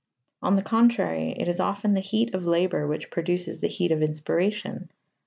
On the contrary, it is often the heat of labour which produces the heat of inspiration.